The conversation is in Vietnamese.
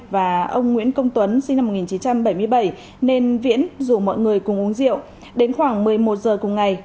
và ông nguyễn công tuấn sinh năm một nghìn chín trăm bảy mươi bảy nên viễn rủ mọi người cùng uống rượu đến khoảng một mươi một giờ cùng ngày